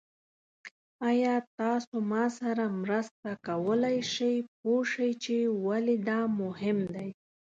ایا تاسو ما سره مرسته کولی شئ پوه شئ چې ولې دا مهم دی؟